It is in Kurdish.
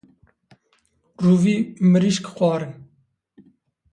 Rûvî mirîşk xwarin